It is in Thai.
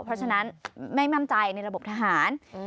เพราะฉะนั้นไม่มั่นใจในระบบทหาร